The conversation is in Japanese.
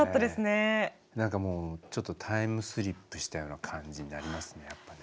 何かもうちょっとタイムスリップしたような感じになりますねやっぱね。